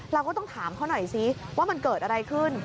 เราก็ต้องถามเขาหน่อยซิว่ามันเกิดอะไรขึ้น